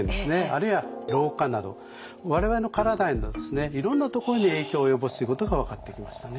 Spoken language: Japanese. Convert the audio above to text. あるいは老化など我々の体へのいろんなところに影響を及ぼすということが分かってきましたね。